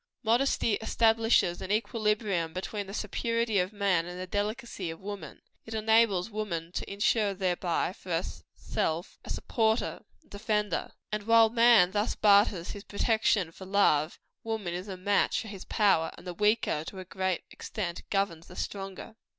"Modesty establishes an equilibrium between the superiority of man and the delicacy of woman; it enables woman to insure thereby for herself, a supporter a defender. And while man thus barters his protection for love, woman is a match for his power; and the weaker, to a great extent, governs the stronger."